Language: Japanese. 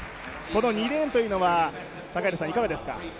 この２レーンというのは高平さん、いかがですか。